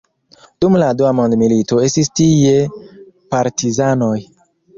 Dum la dua mondmilito estis tie partizanoj.